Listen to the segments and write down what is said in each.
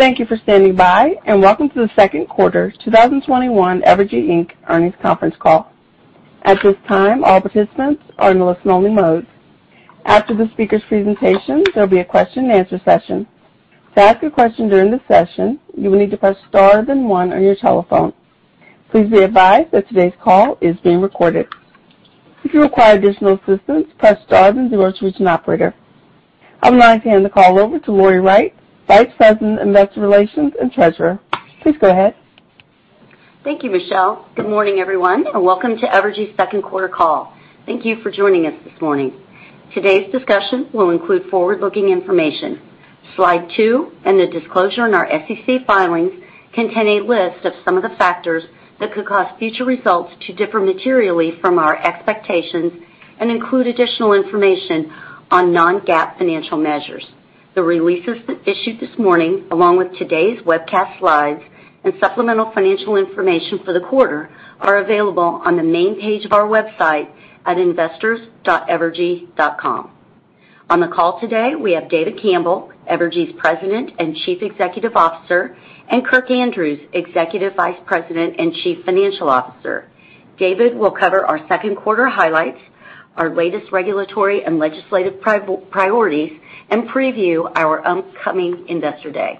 Thank you for standing by, and welcome to the Second Quarter 2021 Evergy, Inc Earnings Conference Call. At this time, all participants are in listen-only mode. After the speakers' presentation, there'll be a question and answer session. To ask a question during the session, you will need to press star then one on your telephone. Please be advised that today's call is being recorded. If you require additional assistance, press star then zero to reach an operator. I would now like to hand the call over to Lori Wright, Vice President, Investor Relations and Treasurer. Please go ahead. Thank you, Michelle. Good morning, everyone, welcome to Evergy's second quarter call. Thank you for joining us this morning. Today's discussion will include forward-looking information. Slide two and the disclosure on our SEC filings contain a list of some of the factors that could cause future results to differ materially from our expectations and include additional information on non-GAAP financial measures. The releases issued this morning, along with today's webcast slides and supplemental financial information for the quarter, are available on the main page of our website at investors.evergy.com. On the call today, we have David Campbell, Evergy's President and Chief Executive Officer, and Kirk Andrews, Executive Vice President and Chief Financial Officer. David will cover our second quarter highlights, our latest regulatory and legislative priorities, and preview our upcoming Investor Day.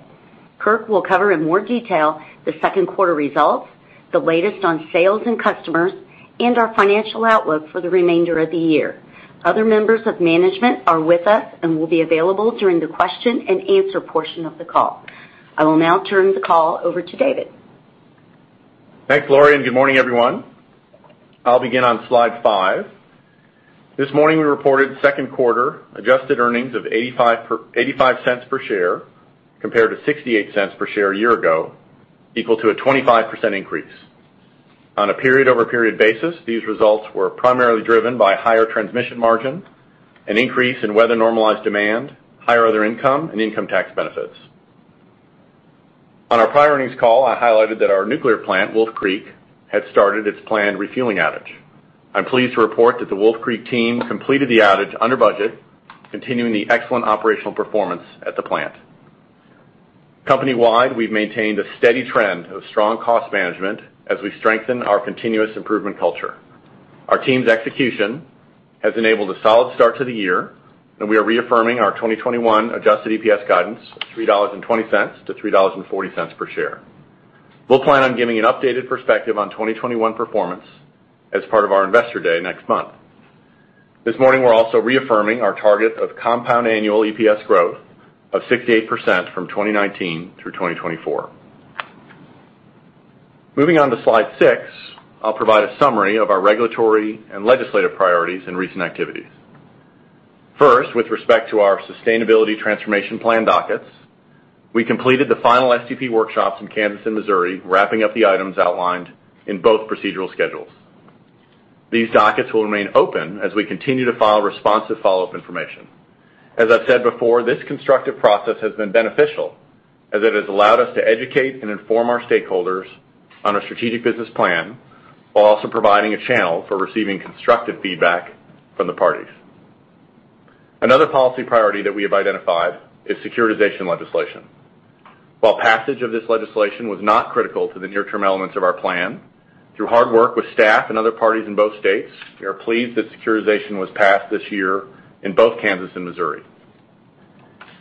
Kirk will cover in more detail the second quarter results, the latest on sales and customers, and our financial outlook for the remainder of the year. Other members of management are with us and will be available during the question and answer portion of the call. I will now turn the call over to David. Thanks, Lori. Good morning, everyone. I'll begin on slide five. This morning, we reported second quarter adjusted earnings of $0.85 per share compared to $0.68 per share a year ago, equal to a 25% increase. On a period-over-period basis, these results were primarily driven by higher transmission margin, an increase in weather-normalized demand, higher other income, and income tax benefits. On our prior earnings call, I highlighted that our nuclear plant, Wolf Creek, had started its planned refueling outage. I'm pleased to report that the Wolf Creek team completed the outage under budget, continuing the excellent operational performance at the plant. Company-wide, we've maintained a steady trend of strong cost management as we strengthen our continuous improvement culture. Our team's execution has enabled a solid start to the year. We are reaffirming our 2021 adjusted EPS guidance of $3.20-$3.40 per share. We'll plan on giving an updated perspective on 2021 performance as part of our Investor Day next month. This morning, we're also reaffirming our target of compound annual EPS growth of 6% to 8% from 2019 through 2024. Moving on to slide six, I'll provide a summary of our regulatory and legislative priorities and recent activities. First, with respect to our sustainability transformation plan dockets, we completed the final STP workshops in Kansas and Missouri, wrapping up the items outlined in both procedural schedules. These dockets will remain open as we continue to file responsive follow-up information. As I've said before, this constructive process has been beneficial as it has allowed us to educate and inform our stakeholders on our strategic business plan while also providing a channel for receiving constructive feedback from the parties. Another policy priority that we have identified is securitization legislation. While passage of this legislation was not critical to the near-term elements of our plan, through hard work with staff and other parties in both states, we are pleased that securitization was passed this year in both Kansas and Missouri.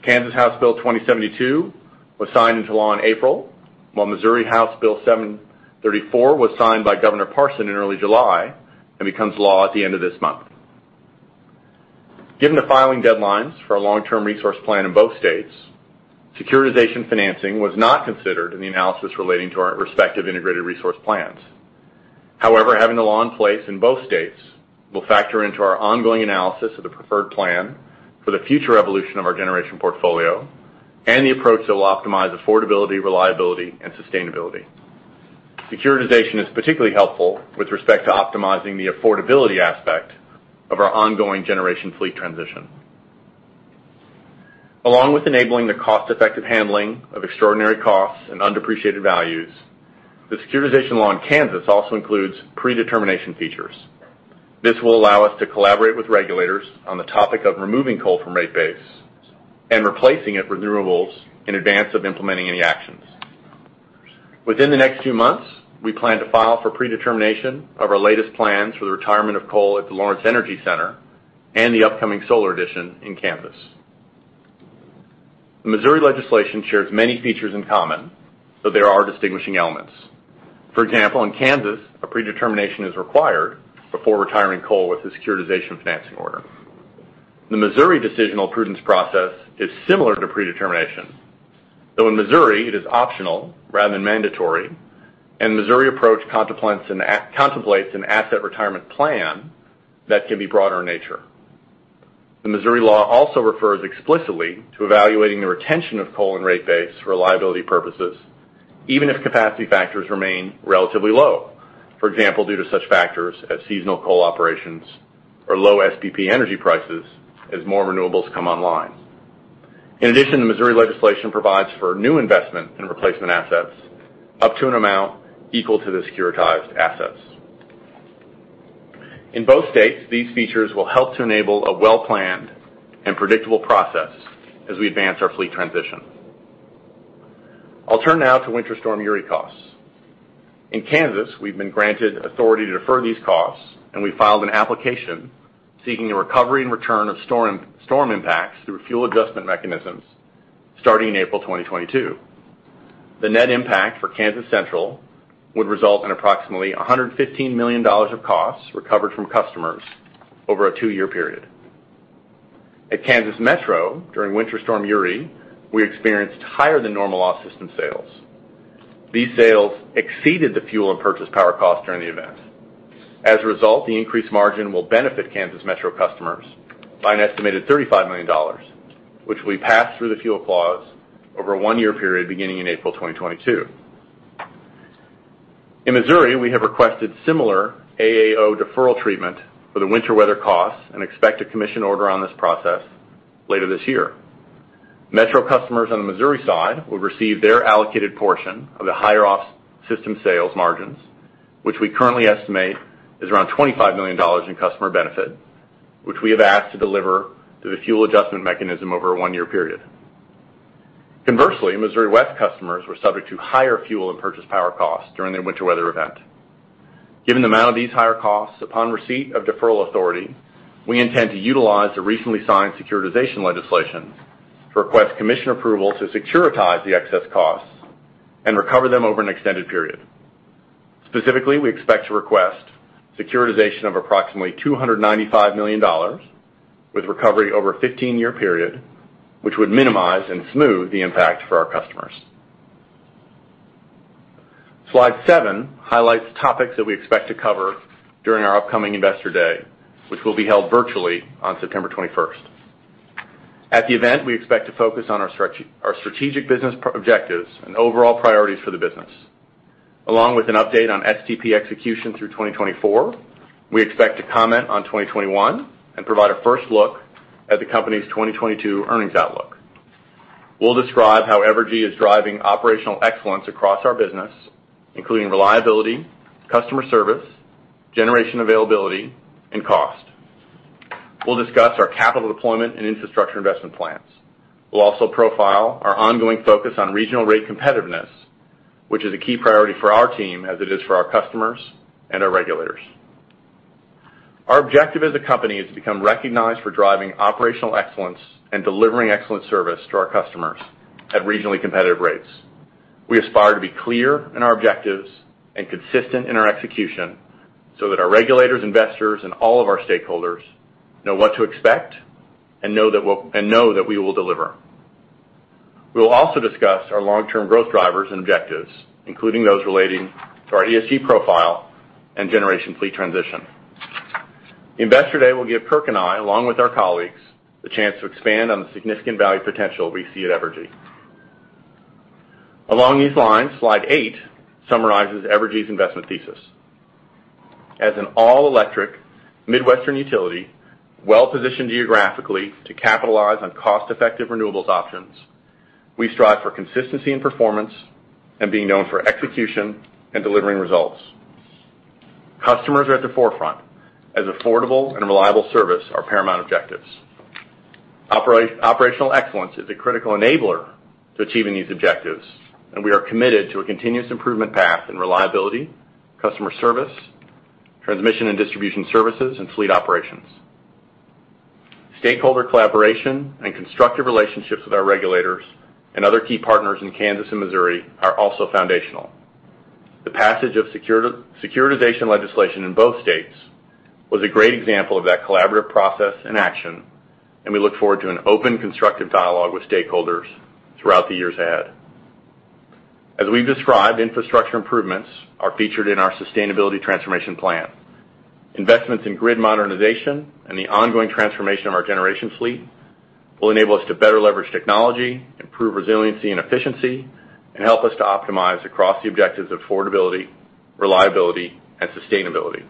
Kansas House Bill 2072 was signed into law in April, while Missouri House Bill 734 was signed by Governor Parson in early July and becomes law at the end of this month. Given the filing deadlines for our long-term resource plan in both states, securitization financing was not considered in the analysis relating to our respective integrated resource plans. However, having the law in place in both states will factor into our ongoing analysis of the preferred plan for the future evolution of our generation portfolio and the approach that will optimize affordability, reliability, and sustainability. Securitization is particularly helpful with respect to optimizing the affordability aspect of our ongoing generation fleet transition. Along with enabling the cost-effective handling of extraordinary costs and undepreciated values, the securitization law in Kansas also includes predetermination features. This will allow us to collaborate with regulators on the topic of removing coal from rate base and replacing it with renewables in advance of implementing any actions. Within the next few months, we plan to file for predetermination of our latest plans for the retirement of coal at the Lawrence Energy Center and the upcoming solar addition in Kansas. The Missouri legislation shares many features in common, though there are distinguishing elements. For example, in Kansas, a predetermination is required before retiring coal with a securitization financing order. The Missouri decisional prudence process is similar to predetermination, though in Missouri, it is optional rather than mandatory, and the Missouri approach contemplates an asset retirement plan that can be broader in nature. The Missouri law also refers explicitly to evaluating the retention of coal in rate base reliability purposes, even if capacity factors remain relatively low, for example, due to such factors as seasonal coal operations or low SPP energy prices as more renewables come online. In addition, the Missouri legislation provides for new investment in replacement assets up to an amount equal to the securitized assets. In both states, these features will help to enable a well-planned and predictable process as we advance our fleet transition. I'll turn now to Winter Storm Uri costs. In Kansas, we've been granted authority to defer these costs, and we filed an application seeking a recovery and return of storm impacts through fuel adjustment mechanisms starting in April 2022. The net impact for Kansas Central would result in approximately $115 million of costs recovered from customers over a two-year period. At Kansas Metro, during Winter Storm Uri, we experienced higher than normal off-system sales. These sales exceeded the fuel and purchase power cost during the event. As a result, the increased margin will benefit Kansas Metro customers by an estimated $35 million, which we pass through the fuel clause over a one-year period beginning in April 2022. In Missouri, we have requested similar AAO deferral treatment for the winter weather costs and expect a commission order on this process later this year. Metro customers on the Missouri side will receive their allocated portion of the higher off-system sales margins, which we currently estimate is around $25 million in customer benefit, which we have asked to deliver through the fuel adjustment mechanism over a one-year period. Conversely, Missouri West customers were subject to higher fuel and purchase power costs during the winter weather event. Given the amount of these higher costs, upon receipt of deferral authority, we intend to utilize the recently signed securitization legislation to request commission approval to securitize the excess costs and recover them over an extended period. Specifically, we expect to request securitization of approximately $295 million with recovery over a 15-year period, which would minimize and smooth the impact for our customers. Slide seven highlights topics that we expect to cover during our upcoming Investor Day, which will be held virtually on September 21st. At the event, we expect to focus on our strategic business objectives and overall priorities for the business. Along with an update on STP execution through 2024, we expect to comment on 2021 and provide a first look at the company's 2022 earnings outlook. We'll describe how Evergy is driving operational excellence across our business, including reliability, customer service, generation availability, and cost. We'll discuss our capital deployment and infrastructure investment plans. We'll also profile our ongoing focus on regional rate competitiveness, which is a key priority for our team as it is for our customers and our regulators. Our objective as a company is to become recognized for driving operational excellence and delivering excellent service to our customers at regionally competitive rates. We aspire to be clear in our objectives and consistent in our execution so that our regulators, investors, and all of our stakeholders know what to expect and know that we will deliver. We will also discuss our long-term growth drivers and objectives, including those relating to our ESG profile and generation fleet transition. The Investor Day will give Kirk and I, along with our colleagues, the chance to expand on the significant value potential we see at Evergy. Along these lines, slide eight summarizes Evergy's investment thesis. As an all-electric Midwestern utility, well-positioned geographically to capitalize on cost-effective renewables options, we strive for consistency in performance and being known for execution and delivering results. Customers are at the forefront as affordable and reliable service are paramount objectives. Operational excellence is a critical enabler to achieving these objectives, and we are committed to a continuous improvement path in reliability, customer service, transmission and distribution services, and fleet operations. Stakeholder collaboration and constructive relationships with our regulators and other key partners in Kansas and Missouri are also foundational. The passage of securitization legislation in both states was a great example of that collaborative process in action, and we look forward to an open, constructive dialogue with stakeholders throughout the years ahead. As we've described, infrastructure improvements are featured in our sustainability transformation plan. Investments in grid modernization and the ongoing transformation of our generation fleet will enable us to better leverage technology, improve resiliency and efficiency, and help us to optimize across the objectives of affordability, reliability, and sustainability.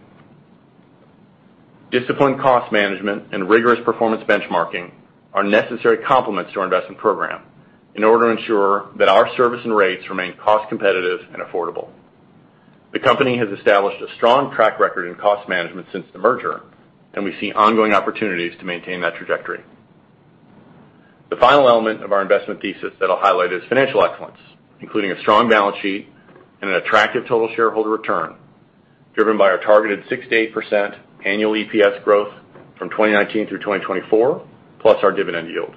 Disciplined cost management and rigorous performance benchmarking are necessary complements to our investment program in order to ensure that our service and rates remain cost competitive and affordable. The company has established a strong track record in cost management since the merger, and we see ongoing opportunities to maintain that trajectory. The final element of our investment thesis that I'll highlight is financial excellence, including a strong balance sheet and an attractive total shareholder return, driven by our targeted 6%-8% annual EPS growth from 2019 through 2024, plus our dividend yield.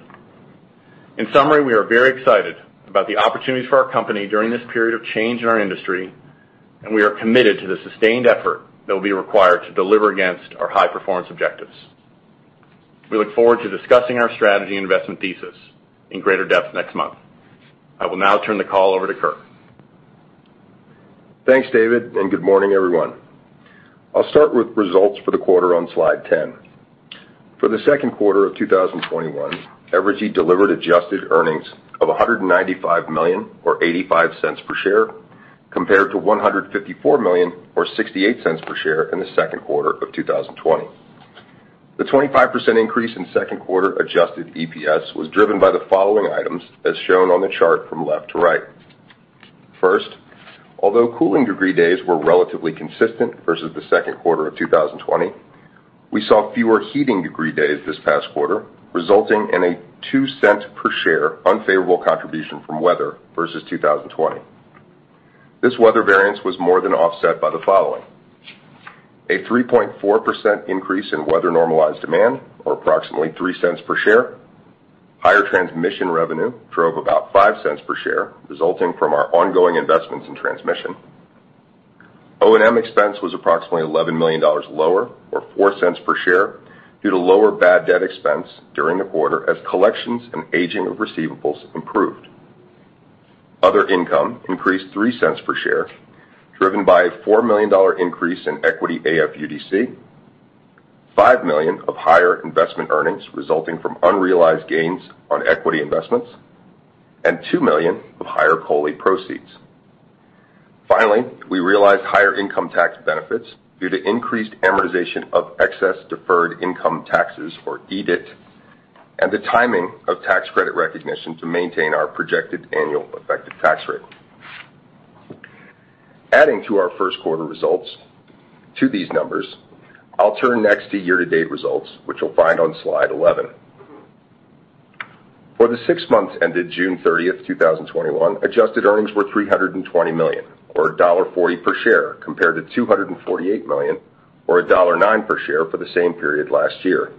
In summary, we are very excited about the opportunities for our company during this period of change in our industry, and we are committed to the sustained effort that will be required to deliver against our high-performance objectives. We look forward to discussing our strategy investment thesis in greater depth next month. I will now turn the call over to Kirk. Thanks, David. Good morning, everyone. I'll start with results for the quarter on slide 10. For the second quarter of 2021, Evergy delivered adjusted earnings of $195 million or $0.85 per share, compared to $154 million or $0.68 per share in the second quarter of 2020. The 25% increase in second quarter adjusted EPS was driven by the following items, as shown on the chart from left to right. First, although cooling degree days were relatively consistent versus the second quarter of 2020, we saw fewer heating degree days this past quarter, resulting in a $0.02 per share unfavorable contribution from weather versus 2020. This weather variance was more than offset by the following. A 3.4% increase in weather normalized demand, or approximately $0.03 per share. Higher transmission revenue drove about $0.05 per share, resulting from our ongoing investments in transmission. O&M expense was approximately $11 million lower, or $0.04 per share, due to lower bad debt expense during the quarter as collections and aging of receivables improved. Other income increased $0.03 per share, driven by a $4 million increase in equity AFUDC, $5 million of higher investment earnings resulting from unrealized gains on equity investments, and $2 million of higher COLI proceeds. Finally, we realized higher income tax benefits due to increased amortization of Excess Deferred Income Taxes, or EDIT, and the timing of tax credit recognition to maintain our projected annual effective tax rate. Adding to our first quarter results to these numbers, I'll turn next to year-to-date results, which you'll find on slide 11. For the six months ended June 30th, 2021, adjusted earnings were $320 million, or $1.40 per share, compared to $248 million or $1.09 per share for the same period last year.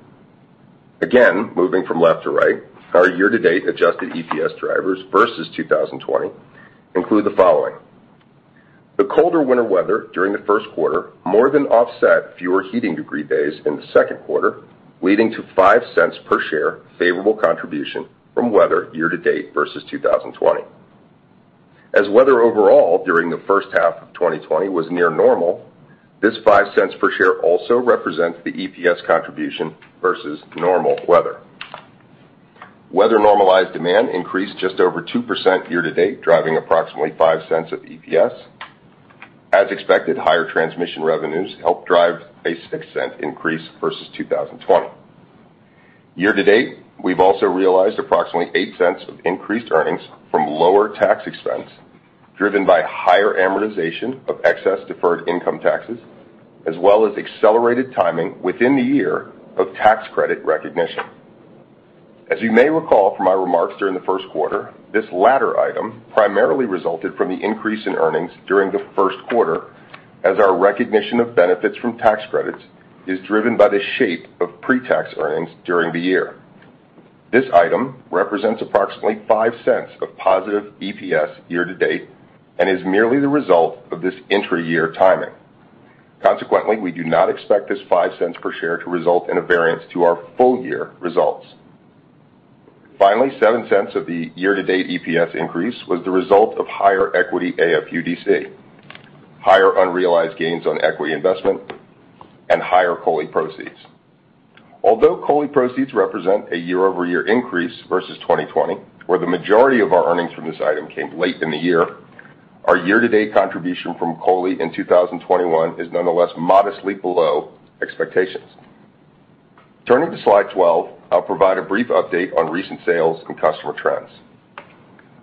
Moving from left to right, our year-to-date adjusted EPS drivers versus 2020 include the following. The colder winter weather during the first quarter more than offset fewer heating degree days in the second quarter, leading to $0.05 per share favorable contribution from weather year-to-date versus 2020. As weather overall during the first half of 2020 was near normal, this $0.05 per share also represents the EPS contribution versus normal weather. Weather normalized demand increased just over 2% year-to-date, driving approximately $0.05 of EPS. As expected, higher transmission revenues helped drive a $0.06 increase versus 2020. Year-to-date, we've also realized approximately $0.08 of increased earnings from lower tax expense, driven by higher amortization of excess deferred income taxes, as well as accelerated timing within the year of tax credit recognition. As you may recall from my remarks during the first quarter, this latter item primarily resulted from the increase in earnings during the first quarter, as our recognition of benefits from tax credits is driven by the shape of pre-tax earnings during the year. This item represents approximately $0.05 of positive EPS year-to-date and is merely the result of this intra-year timing. Consequently, we do not expect this $0.05 per share to result in a variance to our full-year results. Finally, $0.07 of the year-to-date EPS increase was the result of higher equity AFUDC, higher unrealized gains on equity investment, and higher COLI proceeds. Although COLI proceeds represent a year-over-year increase versus 2020, where the majority of our earnings from this item came late in the year. Our year-to-date contribution from COLI in 2021 is nonetheless modestly below expectations. Turning to slide 12, I'll provide a brief update on recent sales and customer trends.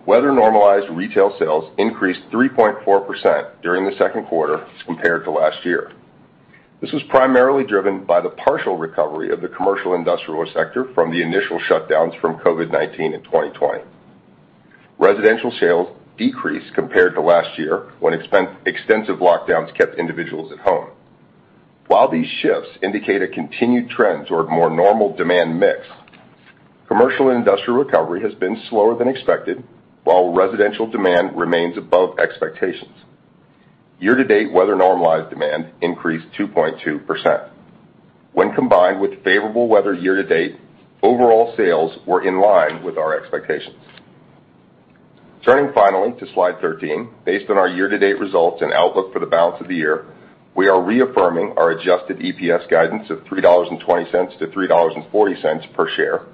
Weather normalized retail sales increased 3.4% during the second quarter as compared to last year. This was primarily driven by the partial recovery of the commercial industrial sector from the initial shutdowns from COVID-19 in 2020. Residential sales decreased compared to last year when extensive lockdowns kept individuals at home. While these shifts indicate a continued trend toward more normal demand mix, commercial and industrial recovery has been slower than expected, while residential demand remains above expectations. Year-to-date, weather normalized demand increased 2.2%. When combined with favorable weather year-to-date, overall sales were in line with our expectations. Turning finally to slide 13, based on our year-to-date results and outlook for the balance of the year, we are reaffirming our adjusted EPS guidance of $3.20-$3.40 per share.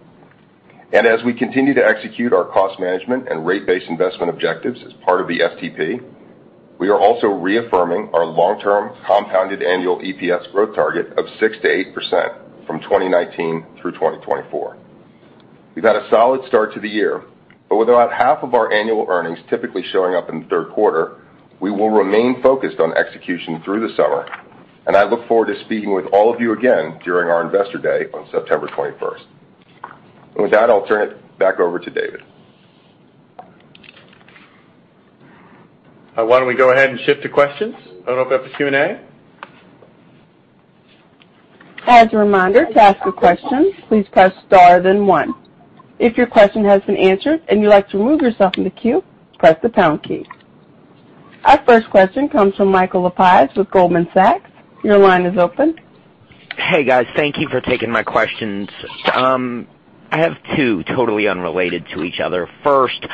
As we continue to execute our cost management and rate-based investment objectives as part of the STP, we are also reaffirming our long-term compounded annual EPS growth target of 6%-8% from 2019 through 2024. We've had a solid start to the year, but with about half of our annual earnings typically showing up in the third quarter, we will remain focused on execution through the summer, and I look forward to speaking with all of you again during our Investor Day on September 21st. With that, I'll turn it back over to David. Why don't we go ahead and shift to questions and open up the Q&A? As a reminder to ask a question, please press star then one, if your question has been answered, and you like to remove yourself from the queue, press the pound key. Our first question comes from Michael Lapides with Goldman Sachs. Your line is open. Hey, guys. Thank you for taking my questions. I have two totally unrelated to each other. First,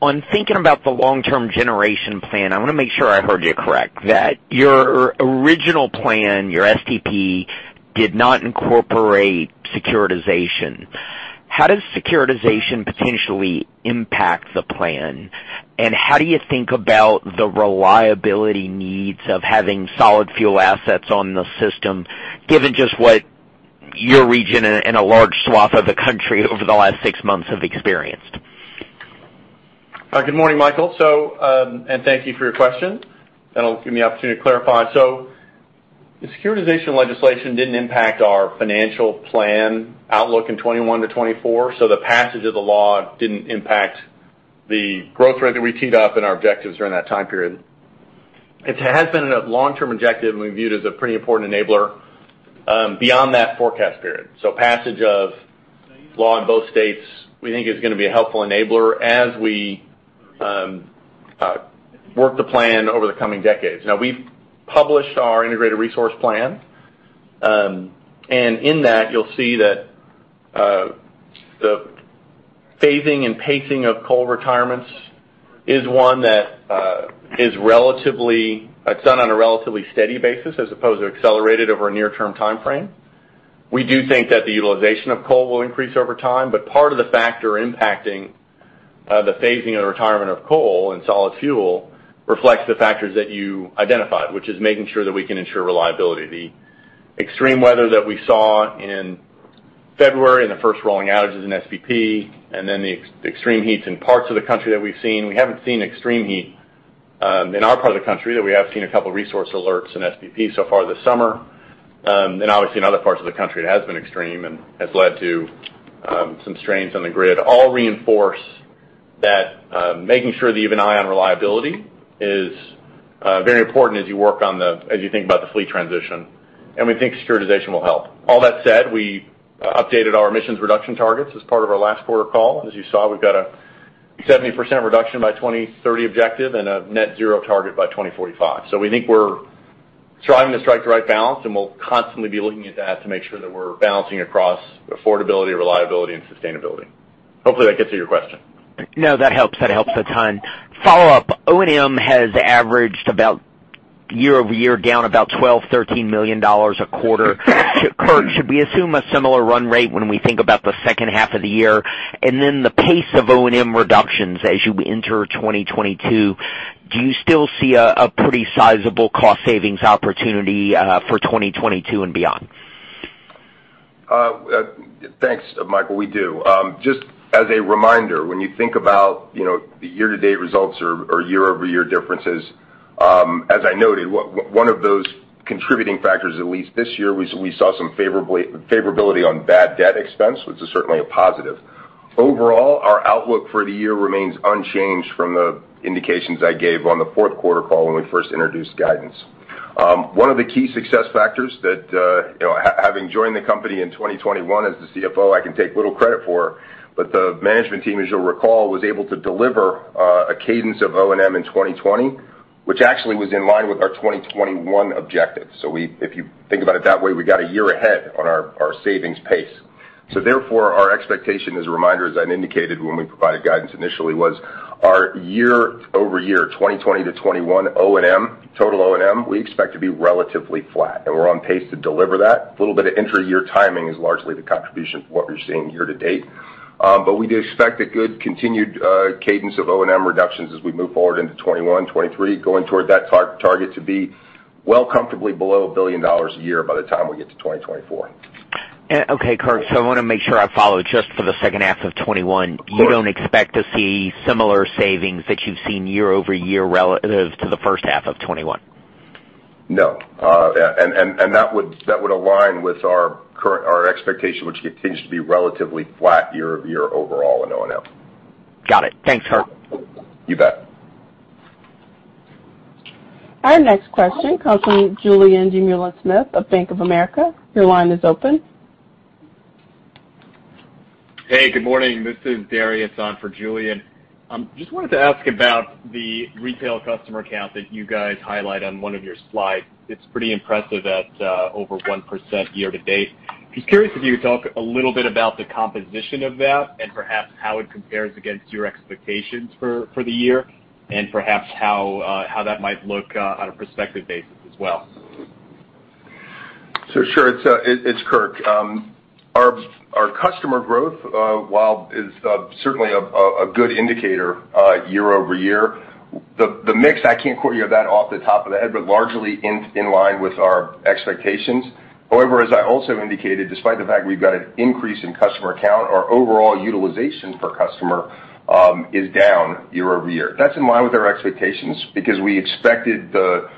on thinking about the long-term generation plan, I want to make sure I heard you correct. That your original plan, your STP, did not incorporate securitization. How does securitization potentially impact the plan? How do you think about the reliability needs of having solid fuel assets on the system, given just what your region and a large swath of the country over the last six months have experienced? Good morning, Michael. Thank you for your question. That'll give me the opportunity to clarify. The securitization legislation didn't impact our financial plan outlook in 2021-2024, so the passage of the law didn't impact the growth rate that we teed up in our objectives during that time period. It has been a long-term objective, and we view it as a pretty important enabler beyond that forecast period. Passage of law in both states, we think, is going to be a helpful enabler as we work the plan over the coming decades. We've published our integrated resource plan. In that, you'll see that the phasing and pacing of coal retirements is one that is done on a relatively steady basis as opposed to accelerated over a near-term timeframe. We do think that the utilization of coal will increase over time, but part of the factor impacting the phasing of the retirement of coal and solid fuel reflects the factors that you identified, which is making sure that we can ensure reliability. The extreme weather that we saw in February and the first rolling outages in SPP, and then the extreme heats in parts of the country that we've seen. We haven't seen extreme heat in our part of the country, though we have seen a couple resource alerts in SPP so far this summer. Obviously, in other parts of the country, it has been extreme and has led to some strains on the grid. All reinforce that making sure the even eye on reliability is very important as you think about the fleet transition, and we think securitization will help. All that said, we updated our emissions reduction targets as part of our last quarter call. We've got a 70% reduction by 2030 objective and a net zero target by 2045. We think we're striving to strike the right balance, and we'll constantly be looking at that to make sure that we're balancing across affordability, reliability, and sustainability. Hopefully, that gets to your question. No, that helps. That helps a ton. Follow-up. O&M has averaged about year-over-year down about $12 million, $13 million a quarter. Kirk, should we assume a similar run rate when we think about the second half of the year? The pace of O&M reductions as you enter 2022, do you still see a pretty sizable cost-savings opportunity for 2022 and beyond? Thanks, Michael. We do. Just as a reminder, when you think about the year-to-date results or year-over-year differences, as I noted, one of those contributing factors, at least this year, we saw some favorability on bad debt expense, which is certainly a positive. Our outlook for the year remains unchanged from the indications I gave on the fourth quarter call when we first introduced guidance. One of the key success factors that, having joined the company in 2021 as the CFO, I can take little credit for, but the management team, as you'll recall, was able to deliver a cadence of O&M in 2020, which actually was in line with our 2021 objectives. If you think about it that way, we got a year ahead on our savings pace. Our expectation, as a reminder, as I'd indicated when we provided guidance initially, was our year-over-year 2020 to 2021 O&M, total O&M, we expect to be relatively flat, and we're on pace to deliver that. A little bit of intra-year timing is largely the contribution to what you're seeing year to date. We do expect a good continued cadence of O&M reductions as we move forward into 2021, 2023, going toward that target to be well comfortably below $1 billion a year by the time we get to 2024. Okay, Kirk. I want to make sure I follow, just for the second half of 2021. You don't expect to see similar savings that you've seen year-over-year relative to the first half of 2021. No. That would align with our expectation, which continues to be relatively flat year-over-year overall in O&M. Got it. Thanks, Kirk. You bet. Our next question comes from Julien Dumoulin-Smith of Bank of America. Your line is open. Hey, good morning. This is Dariusz on for Julien. Just wanted to ask about the retail customer count that you guys highlight on one of your slides. It's pretty impressive at over 1% year to date. Be curious if you could talk a little bit about the composition of that and perhaps how it compares against your expectations for the year and perhaps how that might look on a prospective basis as well. Sure. It's Kirk. Our customer growth, while is certainly a good indicator year-over-year, the mix, I can't quote you that off the top of the head, but largely in line with our expectations. As I also indicated, despite the fact we've got an increase in customer count, our overall utilization per customer is down year-over-year. That's in line with our expectations because we expected the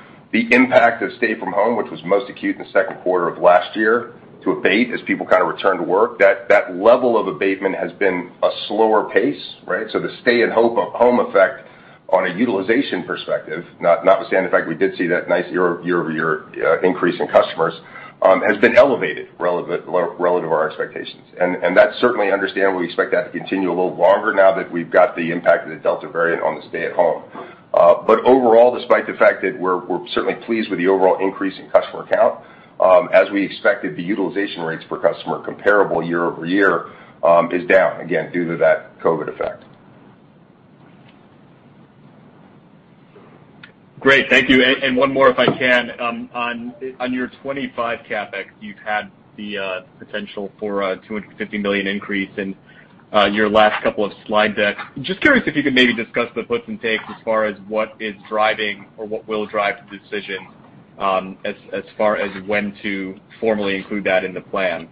impact of stay-from-home, which was most acute in the second quarter of last year, to abate as people kind of return to work. That level of abatement has been a slower pace, right? The stay-at-home effect on a utilization perspective, notwithstanding the fact we did see that nice year-over-year increase in customers, has been elevated relative to our expectations. That's certainly understandable. We expect that to continue a little longer now that we've got the impact of the Delta variant on the stay at home. Overall, despite the fact that we're certainly pleased with the overall increase in customer count, as we expected, the utilization rates per customer comparable year-over-year is down, again, due to that COVID effect. Great. Thank you. One more, if I can. On your 2025 CapEx, you've had the potential for a $250 million increase in your last couple of slide decks. Just curious if you could maybe discuss the puts and takes as far as what is driving or what will drive the decision, as far as when to formally include that in the plan.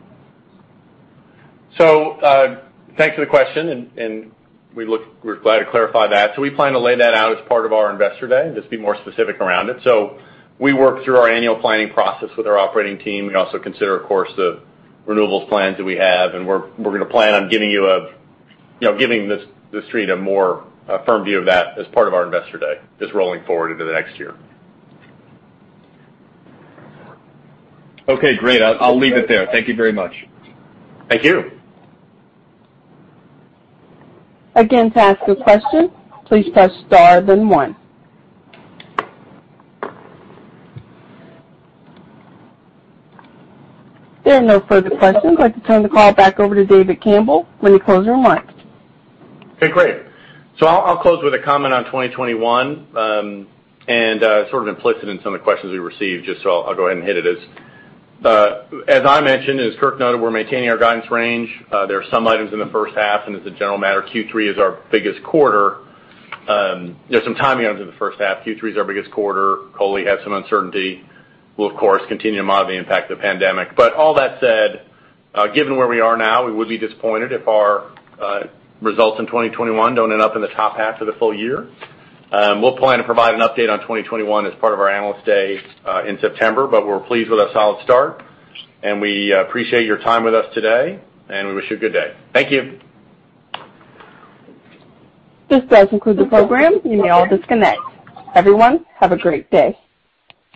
Thanks for the question, and we're glad to clarify that. We plan to lay that out as part of our Investor Day, just be more specific around it. We work through our annual planning process with our operating team. We also consider, of course, the renewables plans that we have, and we're going to plan on giving the street a more firm view of that as part of our Investor Day, just rolling forward into the next year. Okay, great. I'll leave it there. Thank you very much. Thank you. Again, to ask a question, please press star then one. There are no further questions. I'd like to turn the call back over to David Campbell for any closing remarks. Okay, great. I'll close with a comment on 2021, and sort of implicit in some of the questions we received. I'll go ahead and hit it. As I mentioned, as Kirk noted, we're maintaining our guidance range. There are some items in the first half, and as a general matter, Q3 is our biggest quarter. There's some timing items in the first half. Q3's our biggest quarter. COVID-19 has some uncertainty. We'll, of course, continue to monitor the impact of the pandemic. All that said, given where we are now, we would be disappointed if our results in 2021 don't end up in the top half of the full year. We'll plan to provide an update on 2021 as part of our Analyst Day in September. We're pleased with our solid start. We appreciate your time with us today. We wish you a good day. Thank you. This does conclude the program. You may all disconnect. Everyone, have a great day.